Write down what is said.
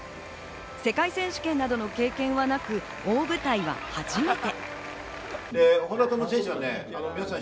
世界選手権などの経験はなく、大舞台は初めて。